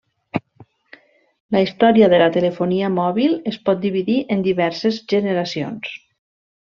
La història de la telefonia mòbil es pot dividir en diverses generacions.